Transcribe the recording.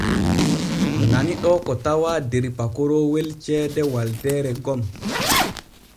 Nani ɗoo ko tawaa der pakoroowel ceede Waldeeree gom.